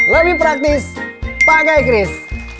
lebih praktis pakai chris